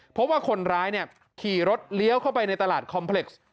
เพราะว่าคนร้ายเนี่ยขี่รถเลี้ยวเข้าไปในตลาดคอมเพล็กซ์